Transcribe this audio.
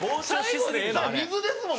水ですもん。